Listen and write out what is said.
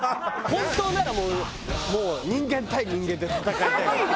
本当ならもう人間対人間で戦いたい。